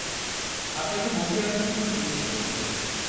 আপনাকে বসিয়ে রাখার জন্য দুঃখিত।